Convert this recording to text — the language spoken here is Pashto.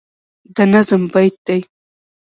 د نظم بیت دی